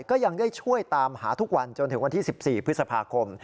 ก็ยังได้ช่วยตามหาทุกวันจนถึงวันที่๑๔พฤษภาคม